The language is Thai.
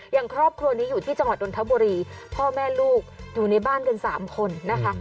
อย่างครอบครัวนี้อยู่ที่จังหวัดดนทบุรีพ่อแม่ลูกอยู่ในบ้านกัน๓คนนะคะ